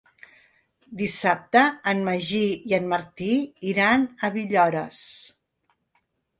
Dissabte en Magí i en Martí iran a Villores.